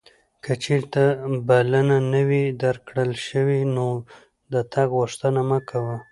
که چیرته بلنه نه وې درکړل شوې نو د تګ غوښتنه مه کوه.